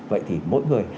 vậy thì mỗi người